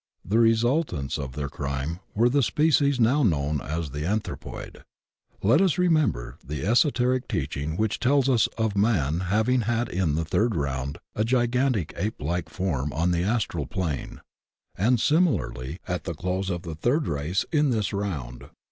The re sultants of their crime were the species now known as the Anthropoid. ... Let us remember the esoteric teaching which tells us of Man having had in the Third Round a gigan tic Ape like form on the astral plane. And similarly at the close of the Third Race in this Round.